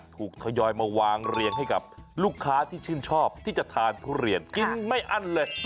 ทยอยมาวางเรียงให้กับลูกค้าที่ชื่นชอบที่จะทานทุเรียนกินไม่อั้นเลย